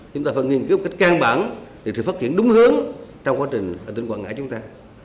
chúng ta phải nghiên cứu cách căng bẳng để phát triển đúng hướng trong quá trình tỉnh quảng ngãi chúng ta